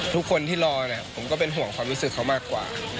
ทุกคนที่รอเนี่ยผมก็เป็นห่วงความรู้สึกเขามากกว่า